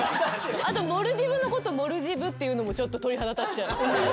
あとモルディブのことをモルジブって言うのもちょっと鳥肌立っちゃう。